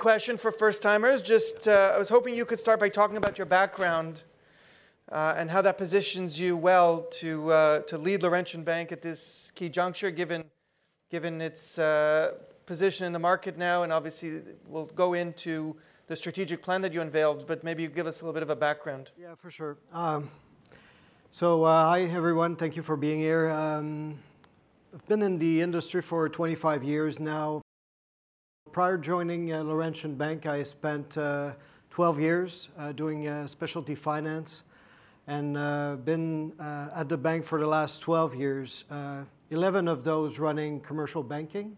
Key question for first-timers. Just, I was hoping you could start by talking about your background, and how that positions you well to lead Laurentian Bank at this key juncture, given its position in the market now. And obviously, we'll go into the strategic plan that you unveiled, but maybe you give us a little bit of a background. Yeah, for sure. So, hi, everyone. Thank you for being here. I've been in the industry for 25 years now. Prior to joining Laurentian Bank, I spent 12 years doing specialty finance and been at the bank for the last 12 years. 11 of those running commercial banking.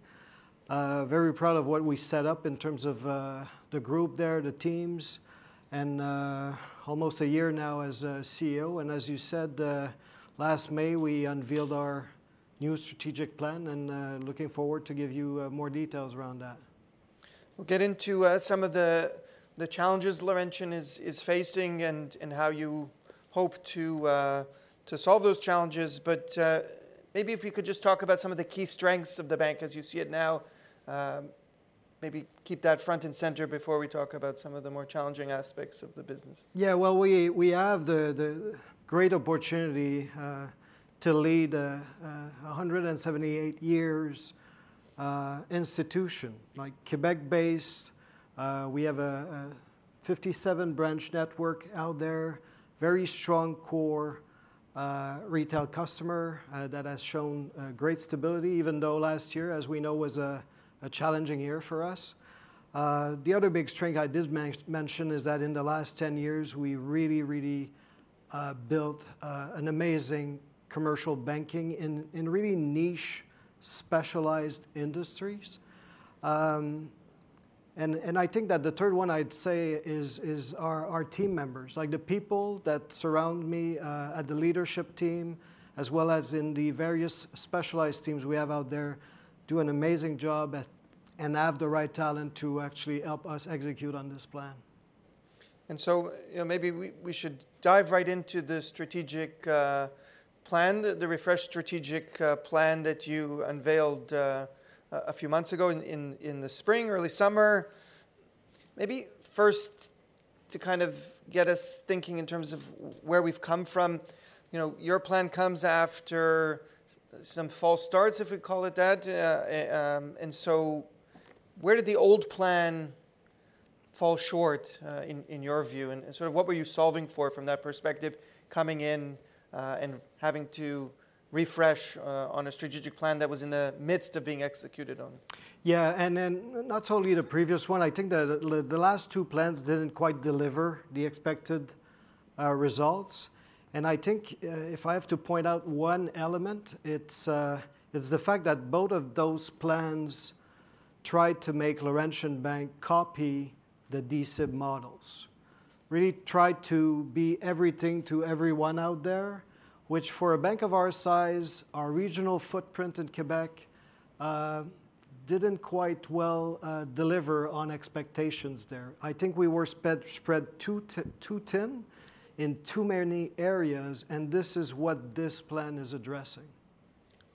Very proud of what we set up in terms of the group there, the teams, and almost a year now as CEO. And as you said, last May, we unveiled our new strategic plan, and looking forward to give you more details around that. We'll get into some of the challenges Laurentian is facing and how you hope to solve those challenges. But maybe if you could just talk about some of the key strengths of the bank as you see it now. Maybe keep that front and center before we talk about some of the more challenging aspects of the business. Yeah. Well, we have the great opportunity to lead a 178-year institution. Like, Quebec-based, we have a 57 branch network out there, very strong core retail customer that has shown great stability, even though last year, as we know, was a challenging year for us. The other big strength I did mention is that in the last 10 years, we really built an amazing commercial banking in really niche, specialized industries. And I think that the third one I'd say is our team members. Like, the people that surround me at the leadership team, as well as in the various specialized teams we have out there, do an amazing job and have the right talent to actually help us execute on this plan. And so, you know, maybe we should dive right into the strategic plan, the refreshed strategic plan that you unveiled a few months ago in the spring, early summer. Maybe first, to kind of get us thinking in terms of where we've come from, you know, your plan comes after some false starts, if we call it that. And so where did the old plan fall short in your view? And sort of what were you solving for from that perspective, coming in and having to refresh on a strategic plan that was in the midst of being executed on? Yeah, and then not solely the previous one. I think that the last two plans didn't quite deliver the expected results. And I think, if I have to point out one element, it's the fact that both of those plans tried to make Laurentian Bank copy the D-SIB models. Really tried to be everything to everyone out there, which, for a bank of our size, our regional footprint in Quebec, didn't quite well deliver on expectations there. I think we were spread too thin in too many areas, and this is what this plan is addressing.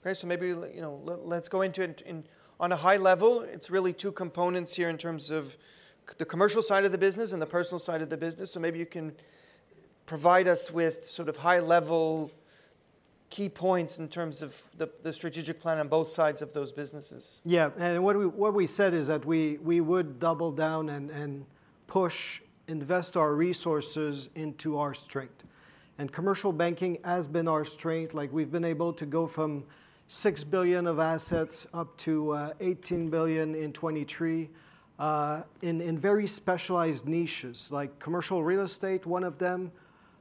Okay, so maybe you know, let's go into it in... On a high level, it's really two components here in terms of the commercial side of the business and the personal side of the business. So maybe you can provide us with sort of high-level key points in terms of the, the strategic plan on both sides of those businesses. Yeah, and what we said is that we would double down and push, invest our resources into our strength, and commercial banking has been our strength. Like, we've been able to go from 6 billion of assets up to 18 billion in 2023, in very specialized niches. Like, commercial real estate, one of them,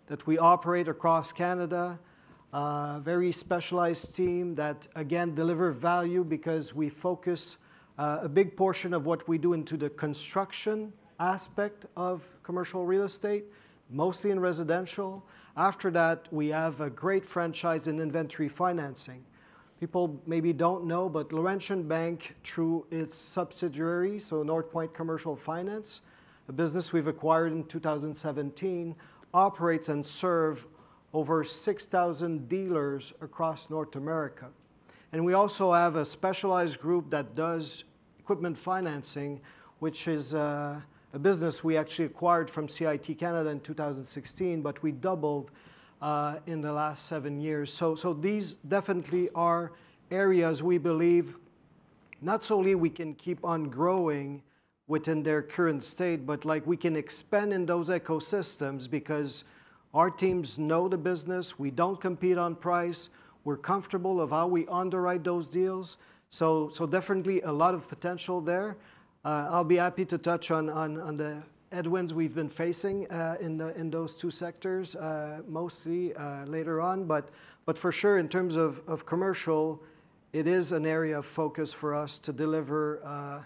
that we operate across Canada. Very specialized team that, again, deliver value because we focus a big portion of what we do into the construction aspect of commercial real estate, mostly in residential. After that, we have a great franchise in inventory financing. People maybe don't know, but Laurentian Bank, through its subsidiary, so Northpoint Commercial Finance, a business we've acquired in 2017, operates and serve over 6,000 dealers across North America. We also have a specialized group that does equipment financing, which is a business we actually acquired from CIT Canada in 2016, but we doubled in the last seven years. These definitely are areas we believe not only we can keep on growing within their current state, but, like, we can expand in those ecosystems because our teams know the business. We don't compete on price. We're comfortable of how we underwrite those deals, definitely a lot of potential there. I'll be happy to touch on the headwinds we've been facing in those two sectors mostly later on. For sure, in terms of commercial, it is an area of focus for us to deliver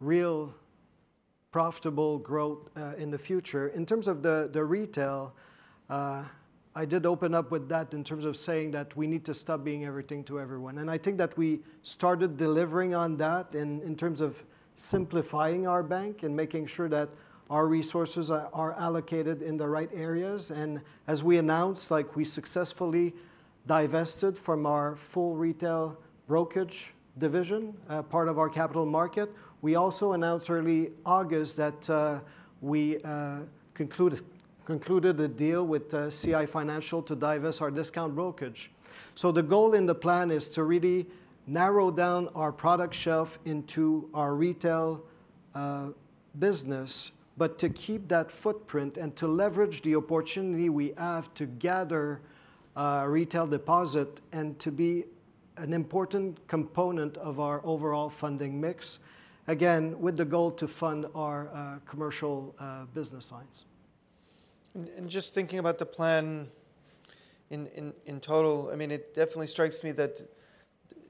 real profitable growth in the future. In terms of the retail, I did open up with that in terms of saying that we need to stop being everything to everyone. I think that we started delivering on that in terms of simplifying our bank and making sure that our resources are allocated in the right areas. As we announced, like, we successfully divested from our full retail brokerage division, part of our capital market. We also announced early August that we concluded a deal with CI Financial to divest our discount brokerage. The goal in the plan is to really narrow down our product shelf into our retail business, but to keep that footprint and to leverage the opportunity we have to gather retail deposit and to be an important component of our overall funding mix. Again, with the goal to fund our commercial business lines. Just thinking about the plan in total, I mean, it definitely strikes me that,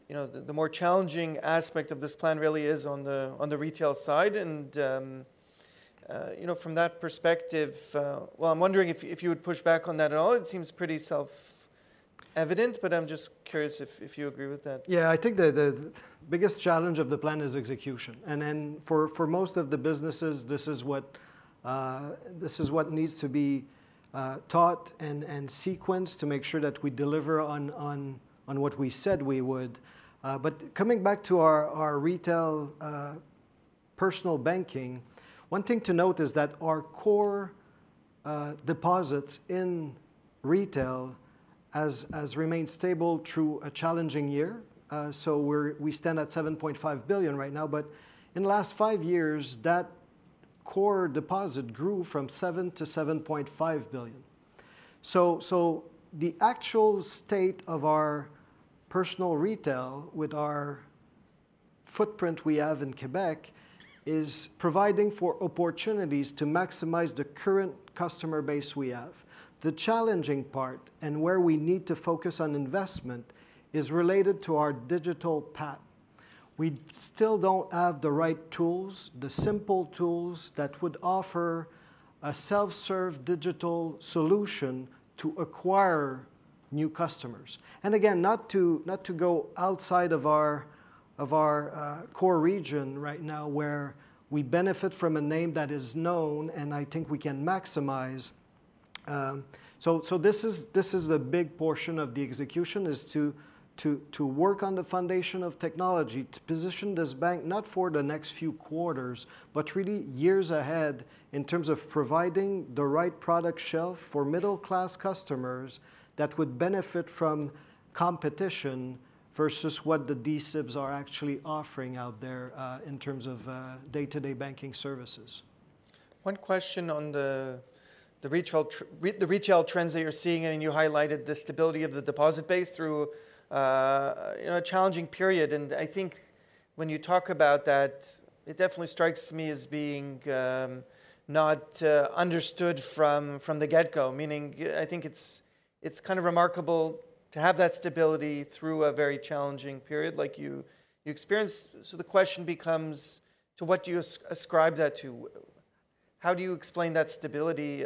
you know, the more challenging aspect of this plan really is on the retail side. And you know, from that perspective, well, I'm wondering if you would push back on that at all. It seems pretty self-evident, but I'm just curious if you agree with that. Yeah, I think the biggest challenge of the plan is execution, and then for most of the businesses, this is what needs to be taught and sequenced to make sure that we deliver on what we said we would, but coming back to our retail personal banking, one thing to note is that our core deposits in retail has remained stable through a challenging year, so we stand at 7.5 billion right now, but in the last five years, that core deposit grew from 7 billion to 7.5 billion, so the actual state of our personal retail with our footprint we have in Quebec is providing for opportunities to maximize the current customer base we have. The challenging part, and where we need to focus on investment, is related to our digital path. We still don't have the right tools, the simple tools that would offer a self-serve digital solution to acquire new customers, and again, not to go outside of our core region right now, where we benefit from a name that is known, and I think we can maximize, so this is a big portion of the execution, is to work on the foundation of technology, to position this bank not for the next few quarters, but really years ahead in terms of providing the right product shelf for middle-class customers that would benefit from competition versus what the D-SIBs are actually offering out there, in terms of day-to-day banking services. One question on the retail trends that you're seeing, and you highlighted the stability of the deposit base through, you know, a challenging period. And I think when you talk about that, it definitely strikes me as being not understood from the get-go. Meaning, I think it's kind of remarkable to have that stability through a very challenging period like you experienced. So the question becomes, to what do you ascribe that to? How do you explain that stability?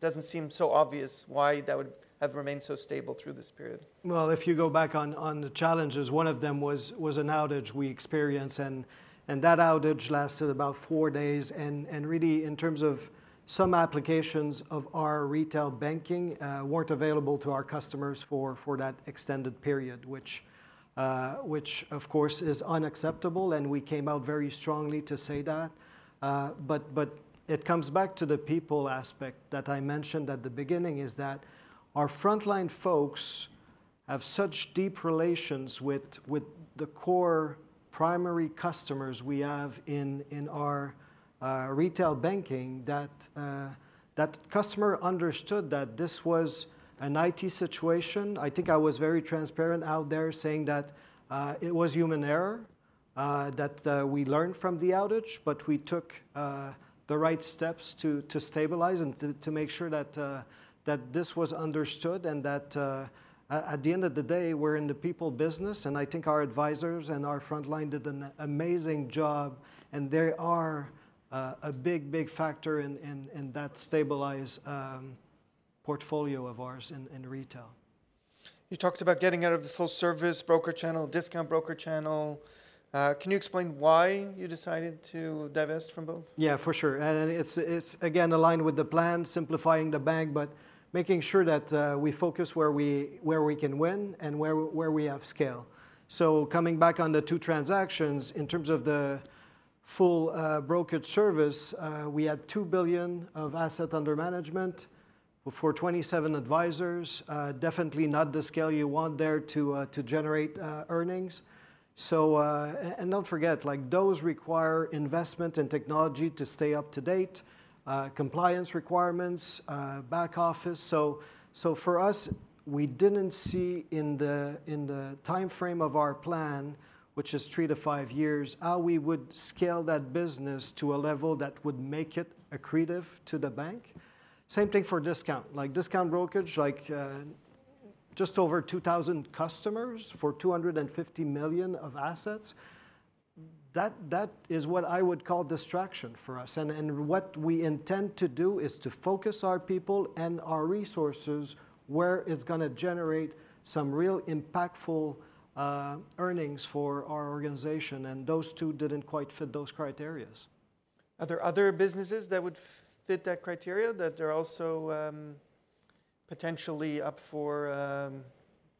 Doesn't seem so obvious why that would have remained so stable through this period. If you go back to the challenges, one of them was an outage we experienced, and that outage lasted about four days. Really, in terms of some applications of our retail banking, weren't available to our customers for that extended period, which of course is unacceptable, and we came out very strongly to say that. It comes back to the people aspect that I mentioned at the beginning, that our frontline folks have such deep relations with the core primary customers we have in our retail banking, that customer understood that this was an IT situation. I think I was very transparent out there, saying that it was human error that we learned from the outage. But we took the right steps to stabilize and to make sure that this was understood, and that at the end of the day, we're in the people business, and I think our advisors and our frontline did an amazing job, and they are a big, big factor in that stabilized portfolio of ours in retail. You talked about getting out of the full-service broker channel, discount broker channel. Can you explain why you decided to divest from both? Yeah, for sure. It's again aligned with the plan, simplifying the bank, but making sure that we focus where we can win and where we have scale. Coming back on the two transactions, in terms of the full brokerage service, we had 2 billion of assets under management for 27 advisors. Definitely not the scale you want there to generate earnings. Don't forget, like, those require investment in technology to stay up to date, compliance requirements, back office. For us, we didn't see in the timeframe of our plan, which is three to five years, how we would scale that business to a level that would make it accretive to the bank. Same thing for discount. Like, discount brokerage, like, just over 2,000 customers for 250 million of assets, that is what I would call distraction for us, and what we intend to do is to focus our people and our resources where it's gonna generate some real impactful earnings for our organization, and those two didn't quite fit those criteria. Are there other businesses that would fit that criteria, that there are also potentially up for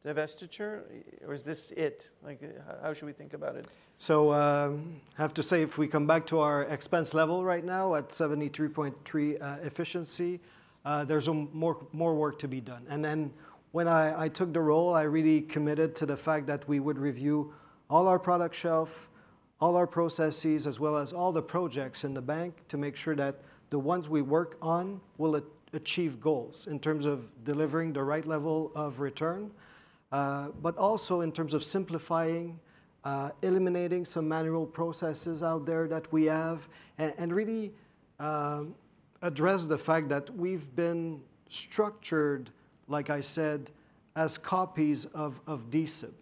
divestiture, or is this it? Like, how should we think about it? I have to say, if we come back to our expense level right now at 73.3 efficiency, there's more work to be done. And then when I took the role, I really committed to the fact that we would review all our product shelf, all our processes, as well as all the projects in the bank, to make sure that the ones we work on will achieve goals in terms of delivering the right level of return. But also in terms of simplifying, eliminating some manual processes out there that we have, and really address the fact that we've been structured, like I said, as copies of D-SIB,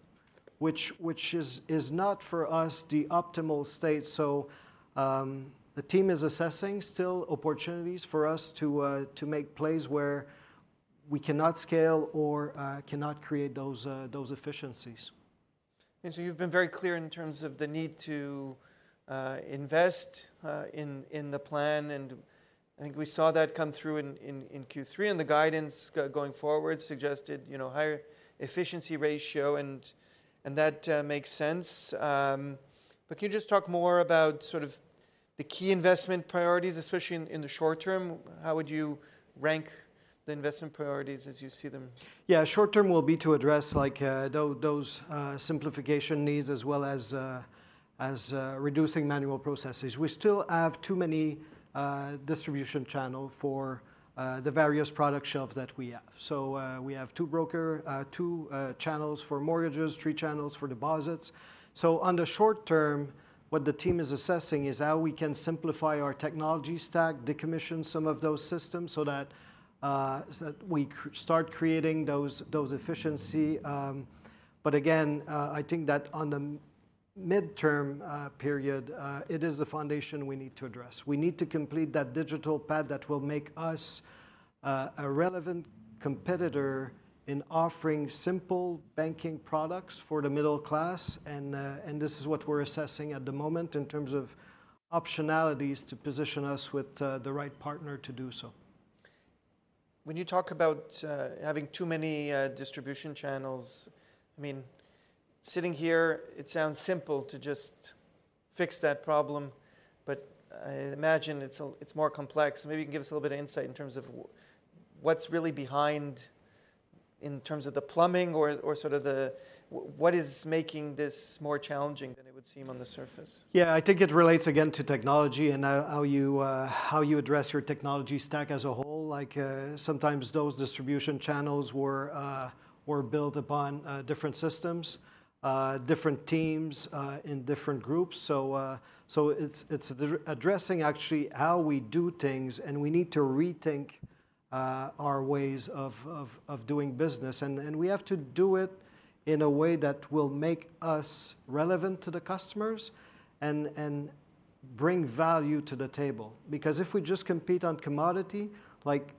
which is not for us the optimal state. The team is assessing still opportunities for us to make plays where we cannot scale or cannot create those efficiencies. And so you've been very clear in terms of the need to invest in the plan, and I think we saw that come through in Q3, and the guidance going forward suggested, you know, higher efficiency ratio, and that makes sense. But can you just talk more about sort of the key investment priorities, especially in the short term? How would you rank the investment priorities as you see them? Yeah. Short term will be to address, like, those simplification needs, as well as reducing manual processes. We still have too many distribution channels for the various product shelves that we have. So, we have two broker channels for mortgages, three channels for deposits. So on the short term, what the team is assessing is how we can simplify our technology stack, decommission some of those systems, so that we start creating those efficiencies. But again, I think that on the midterm period, it is the foundation we need to address. We need to complete that digital path that will make us a relevant competitor in offering simple banking products for the middle class, and this is what we're assessing at the moment in terms of optionalities to position us with the right partner to do so. When you talk about having too many distribution channels, I mean, sitting here, it sounds simple to just fix that problem, but I imagine it's more complex. Maybe you can give us a little bit of insight in terms of what's really behind in terms of the plumbing or sort of what is making this more challenging than it would seem on the surface? Yeah, I think it relates again to technology and how you address your technology stack as a whole. Like, sometimes those distribution channels were built upon different systems, different teams, in different groups. So it's the addressing actually how we do things, and we need to rethink our ways of doing business. And we have to do it in a way that will make us relevant to the customers and bring value to the table. Because if we just compete on commodity, like,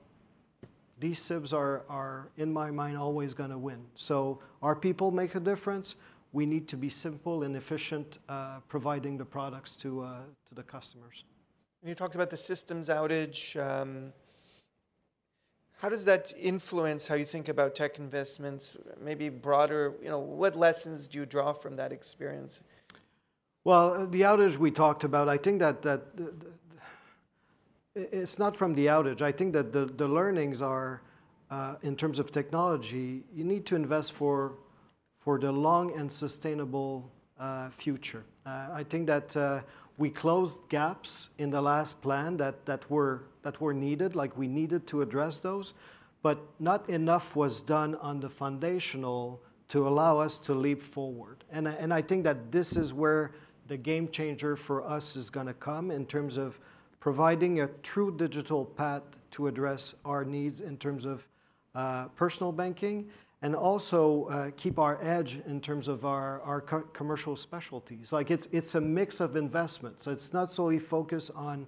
D-SIBs are, in my mind, always gonna win. So our people make a difference. We need to be simple and efficient, providing the products to the customers. You talked about the systems outage. How does that influence how you think about tech investments, maybe broader? You know, what lessons do you draw from that experience? The outage we talked about, I think that it's not from the outage. I think that the learnings are in terms of technology, you need to invest for the long and sustainable future. I think that we closed gaps in the last plan that were needed, like, we needed to address those, but not enough was done on the foundational to allow us to leap forward. I think that this is where the game changer for us is gonna come in terms of providing a true digital path to address our needs in terms of personal banking and also keep our edge in terms of our commercial specialties. Like it's a mix of investments, so it's not solely focused on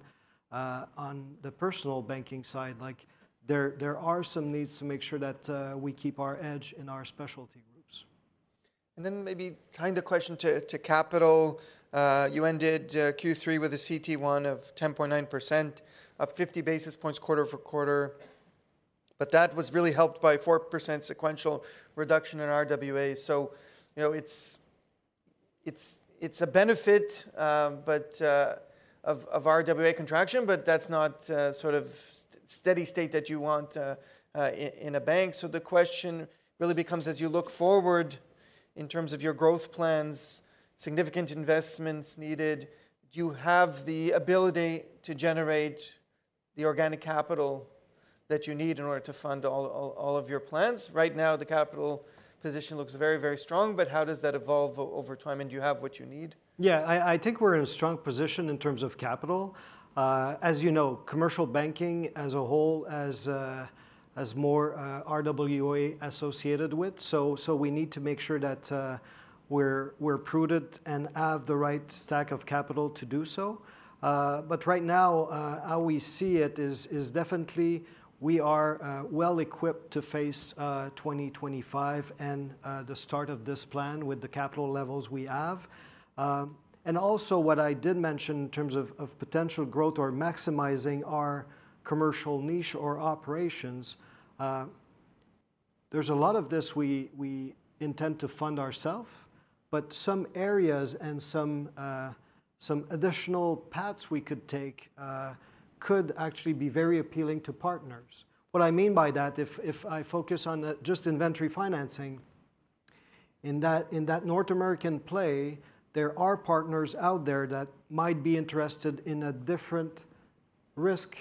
the personal banking side. Like, there are some needs to make sure that we keep our edge in our specialty groups. And then maybe kind of question to capital. You ended Q3 with a CET1 of 10.9%, up 50 basis points quarter over quarter, but that was really helped by 4% sequential reduction in RWAs. So, you know, it's a benefit but of RWA contraction, but that's not sort of steady state that you want in a bank. So the question really becomes, as you look forward in terms of your growth plans, significant investments needed, do you have the ability to generate the organic capital that you need in order to fund all of your plans? Right now, the capital position looks very, very strong, but how does that evolve over time, and do you have what you need? Yeah, I think we're in a strong position in terms of capital. As you know, commercial banking as a whole has more RWA associated with, so we need to make sure that we're prudent and have the right stack of capital to do so. But right now, how we see it is definitely we are well-equipped to face 2025 and the start of this plan with the capital levels we have. And also what I did mention in terms of potential growth or maximizing our commercial niche or operations. There's a lot of this we intend to fund ourselves, but some areas and some additional paths we could take could actually be very appealing to partners. What I mean by that, if I focus on just inventory financing, in that North American play, there are partners out there that might be interested in a different risk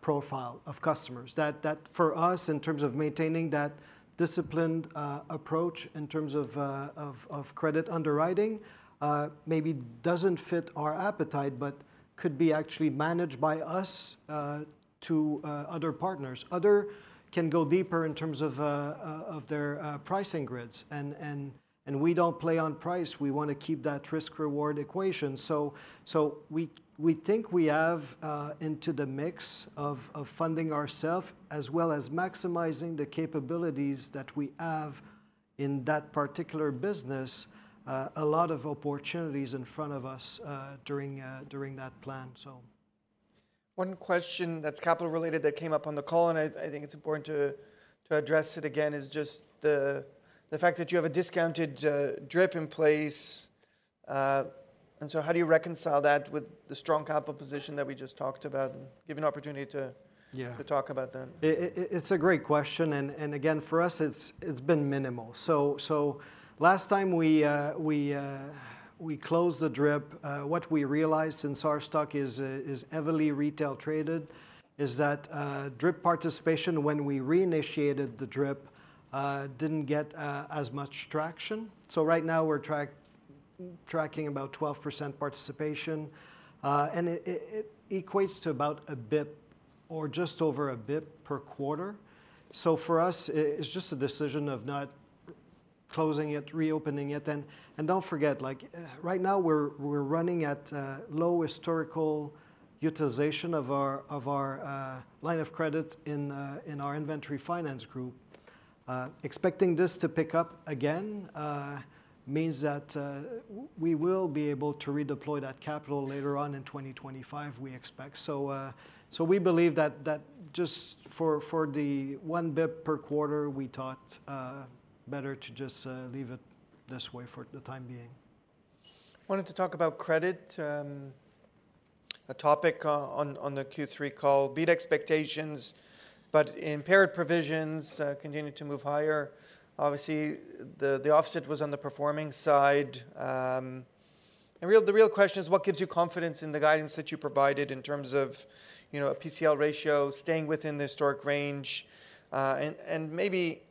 profile of customers. That for us, in terms of maintaining that disciplined approach, in terms of credit underwriting, maybe doesn't fit our appetite, but could be actually managed by us to other partners. Others can go deeper in terms of their pricing grids, and we don't play on price. We wanna keep that risk-reward equation, so we think we have into the mix of funding ourselves, as well as maximizing the capabilities that we have in that particular business, a lot of opportunities in front of us during that plan, so. One question that's capital-related that came up on the call, and I, I think it's important to, to address it again, is just the, the fact that you have a discounted DRIP in place. And so how do you reconcile that with the strong capital position that we just talked about? And give you an opportunity to- Yeah.... to talk about that. It's a great question, and again, for us, it's been minimal, so last time we closed the DRIP, what we realized, since our stock is heavily retail traded, is that DRIP participation, when we reinitiated the DRIP, didn't get as much traction, so right now we're tracking about 12% participation, and it equates to about a basis point or just over a basis point per quarter, so for us, it's just a decision of not closing it, reopening it, and don't forget, like, right now we're running at low historical utilization of our line of credit in our inventory finance group. Expecting this to pick up again means that we will be able to redeploy that capital later on in 2025, we expect. So we believe that just for the one basis point per quarter, we thought better to just leave it this way for the time being. Wanted to talk about credit. A topic on the Q3 call. Beat expectations, but impaired provisions continued to move higher. Obviously, the offset was on the performing side. The real question is: What gives you confidence in the guidance that you provided in terms of, you know, a PCL ratio staying within the historic range? Maybe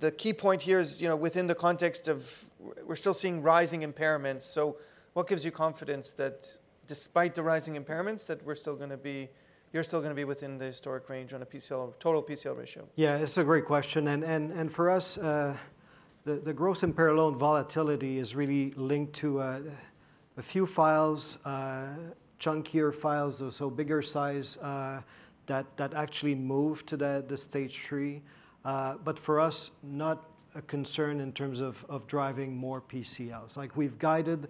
the key point here is, you know, within the context of we're still seeing rising impairments, so what gives you confidence that despite the rising impairments, that you're still gonna be within the historic range on a PCL, total PCL ratio? Yeah, it's a great question. And for us, the gross unparalleled volatility is really linked to a few files, chunkier files, or so bigger size, that actually moved to the Stage 3. But for us, not a concern in terms of driving more PCLs. Like, we've guided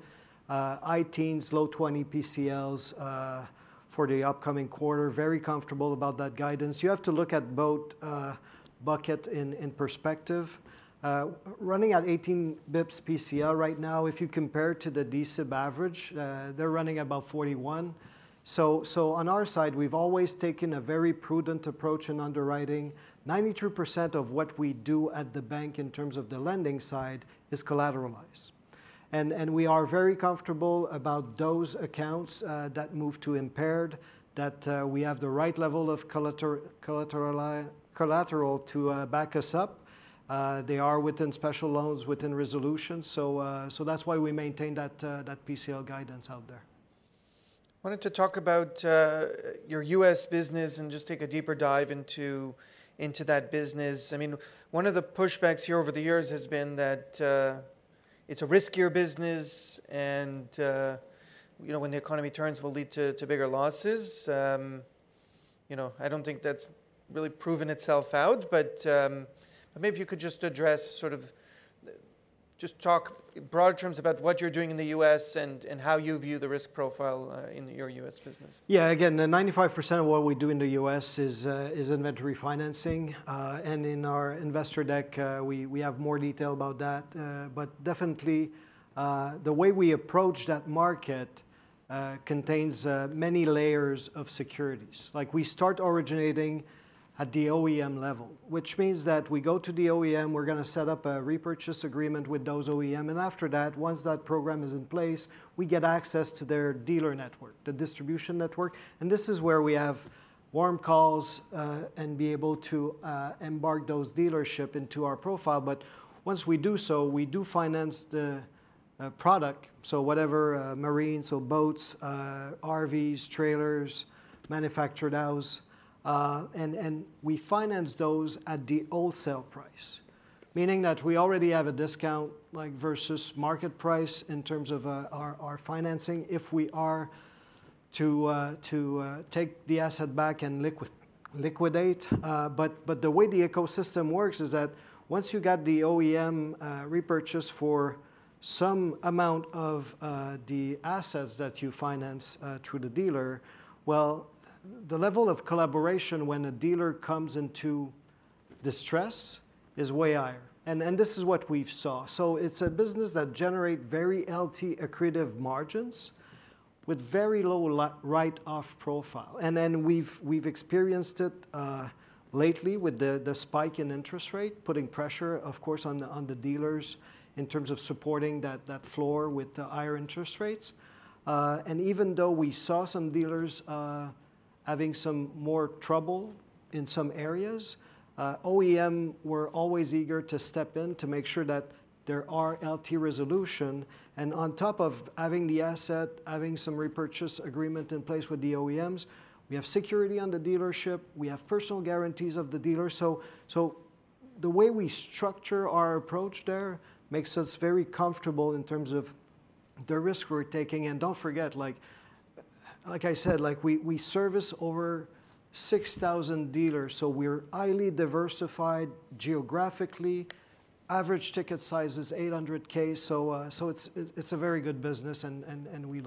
high-teens, low 20s PCLs, for the upcoming quarter, very comfortable about that guidance. You have to look at both buckets in perspective. Running at 18 basis points PCL right now, if you compare to the D-SIB average, they're running about 41. So on our side, we've always taken a very prudent approach in underwriting. 93% of what we do at the bank, in terms of the lending side, is collateralized. We are very comfortable about those accounts that move to impaired, that we have the right level of collateral to back us up. They are within special loans, within resolutions, so that's why we maintain that PCL guidance out there. I wanted to talk about your U.S. business and just take a deeper dive into that business. I mean, one of the pushbacks here over the years has been that it's a riskier business and you know, when the economy turns will lead to bigger losses. You know, I don't think that's really proven itself out, but. But maybe you could just address, sort of, just talk in broad terms about what you're doing in the U.S. and how you view the risk profile in your U.S. business. Yeah, again, 95% of what we do in the U.S. is inventory financing. And in our investor deck, we have more detail about that. But definitely, the way we approach that market contains many layers of securities. Like, we start originating at the OEM level, which means that we go to the OEM, we're gonna set up a repurchase agreement with those OEM. And after that, once that program is in place, we get access to their dealer network, the distribution network, and this is where we have warm calls and be able to embark those dealership into our profile. But once we do so, we do finance the product, so whatever marine, so boats, RVs, trailers, manufactured house, and we finance those at the wholesale price, meaning that we already have a discount, like, versus market price in terms of our financing if we are to take the asset back and liquidate. But the way the ecosystem works is that once you got the OEM repurchase for some amount of the assets that you finance through the dealer, well, the level of collaboration when a dealer comes into the stress is way higher. And this is what we've saw. So it's a business that generate very healthy accretive margins with very low write-off profile. And then we've experienced it lately with the spike in interest rate, putting pressure, of course, on the dealers in terms of supporting that floor with the higher interest rates. And even though we saw some dealers having some more trouble in some areas, OEM were always eager to step in to make sure that there are LT resolution. And on top of having the asset, having some repurchase agreement in place with the OEMs, we have security on the dealership, we have personal guarantees of the dealer. So the way we structure our approach there makes us very comfortable in terms of the risk we're taking. And don't forget, like I said, like, we service over 6,000 dealers, so we're highly diversified geographically. Average ticket size is 800K, so it's a very good business, and we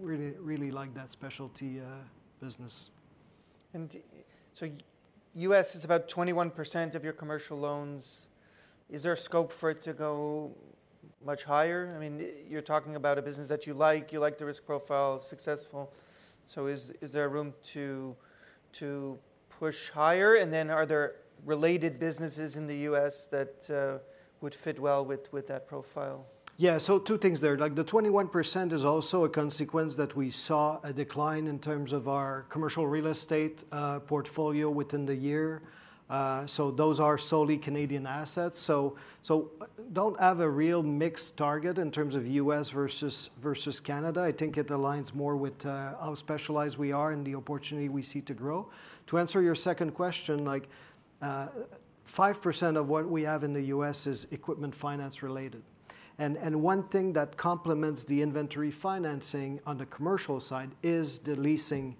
really like that specialty business. U.S. is about 21% of your commercial loans. Is there a scope for it to go much higher? I mean, you're talking about a business that you like. You like the risk profile, successful. Is there room to push higher? Are there related businesses in the U.S. that would fit well with that profile? Yeah, so two things there. Like, the 21% is also a consequence that we saw a decline in terms of our commercial real estate portfolio within the year. So those are solely Canadian assets. So don't have a real mixed target in terms of U.S. versus Canada. I think it aligns more with how specialized we are and the opportunity we see to grow. To answer your second question, like, 5% of what we have in the U.S. is equipment finance-related. And one thing that complements the inventory financing on the commercial side is the leasing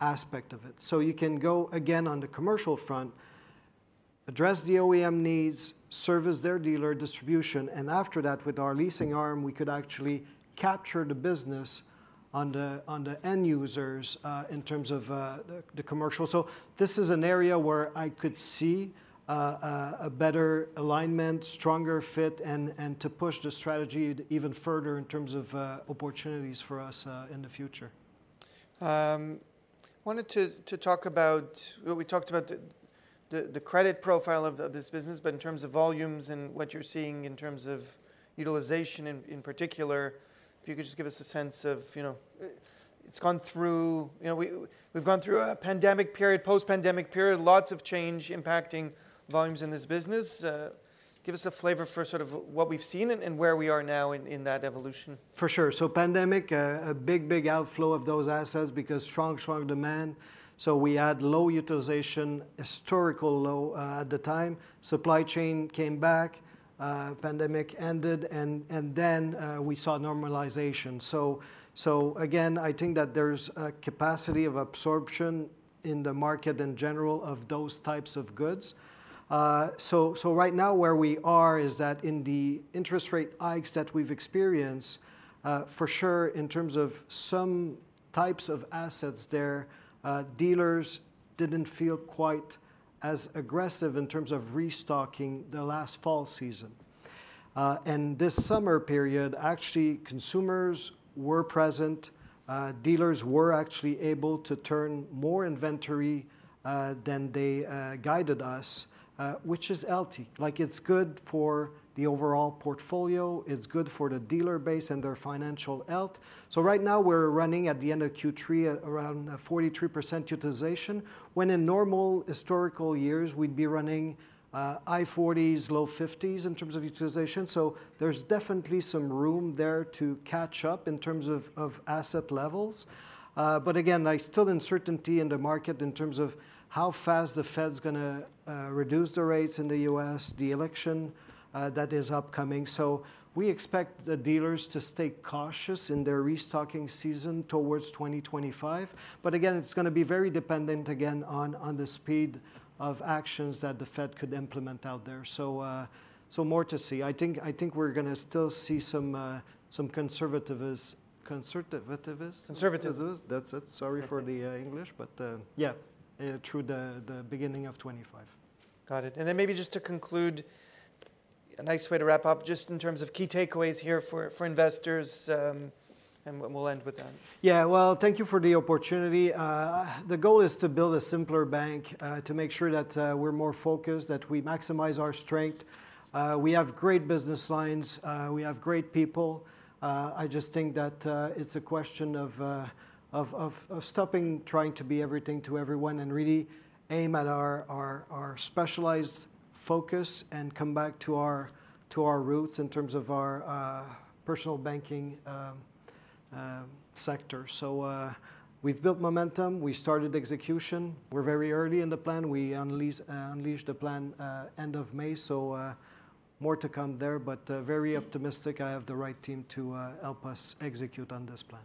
aspect of it. So you can go, again, on the commercial front, address the OEM needs, service their dealer distribution, and after that, with our leasing arm, we could actually capture the business on the end users in terms of the commercial. So this is an area where I could see a better alignment, stronger fit, and to push the strategy even further in terms of opportunities for us in the future. Wanted to talk about... We talked about the credit profile of this business, but in terms of volumes and what you're seeing in terms of utilization in particular, if you could just give us a sense of, you know, it's gone through, you know, we've gone through a pandemic period, post-pandemic period, lots of change impacting volumes in this business. Give us a flavor for sort of what we've seen and where we are now in that evolution. For sure. So, pandemic, a big outflow of those assets because strong demand, so we had low utilization, historical low at the time. Supply chain came back, pandemic ended, and then we saw normalization. So, again, I think that there's a capacity of absorption in the market in general of those types of goods. So, right now where we are is that in the interest rate hikes that we've experienced, for sure, in terms of some types of assets there, dealers didn't feel quite as aggressive in terms of restocking the last fall season. And this summer period, actually, consumers were present, dealers were actually able to turn more inventory than they guided us, which is healthy. Like, it's good for the overall portfolio. It's good for the dealer base and their financial health. So right now we're running at the end of Q3 at around 43% utilization, when in normal historical years we'd be running high 40s, low 50s in terms of utilization. So there's definitely some room there to catch up in terms of asset levels. But again, like, still uncertainty in the market in terms of how fast the Fed's gonna reduce the rates in the U.S., the election that is upcoming. So we expect the dealers to stay cautious in their restocking season towards 2025. But again, it's gonna be very dependent again on the speed of actions that the Fed could implement out there. So more to see. I think we're gonna still see some conservatism. Conservativism. That's it. Sorry for the English, but- Yeah.... through the beginning of 2025. Got it. And then maybe just to conclude, a nice way to wrap up, just in terms of key takeaways here for investors, and we'll end with that. Yeah. Well, thank you for the opportunity. The goal is to build a simpler bank, to make sure that we're more focused, that we maximize our strength. We have great business lines, we have great people. I just think that it's a question of of stopping trying to be everything to everyone and really aim at our specialized focus and come back to our roots in terms of our personal banking sector. So, we've built momentum, we started execution. We're very early in the plan. We unleashed the plan end of May, so more to come there, but very optimistic I have the right team to help us execute on this plan.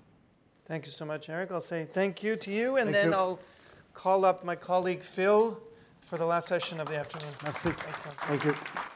Thank you so much, Eric. I'll say thank you to you- Thank you.... and then I'll call up my colleague, Phil, for the last session of the afternoon. Merci. Merci. Thank you.